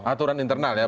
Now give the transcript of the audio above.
aturan internal ya